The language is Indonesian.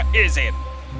aku ingin mencari clara